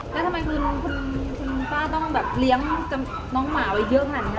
แล้วทำไมคุณป้าต้องแบบเลี้ยงน้องหมาไว้เยอะขนาดนี้